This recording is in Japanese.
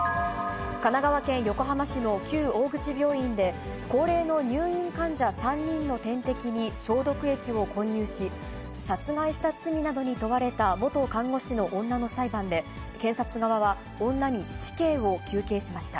神奈川県横浜市の旧大口病院で、高齢の入院患者３人の点滴に消毒液を混入し、殺害した罪などに問われた元看護師の女の裁判で、検察側は女に死刑を求刑しました。